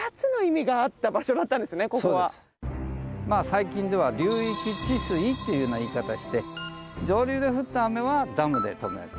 最近では「流域治水」っていうような言い方して上流で降った雨はダムで止める。